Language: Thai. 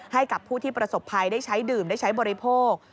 ให้กับผู้ที่ประสบภัยได้ใช้ดื่มได้ใช้บริโภค